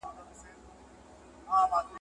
اوس اِمارت دی چي څه به کیږي